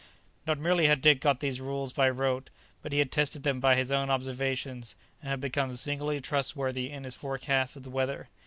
Not merely had Dick got these rules by rote, but he had tested them by his own observations, and had become singularly trustworthy in his forecasts of the weather.